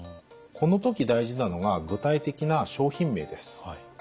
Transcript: この時大事なのが具体的な商品名です。